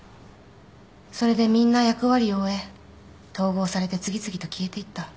それでみんな役割を終え統合されて次々と消えていった。